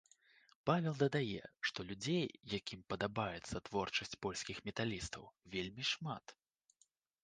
Павел дадае, што людзей, якім падабаецца творчасць польскіх металістаў, вельмі шмат.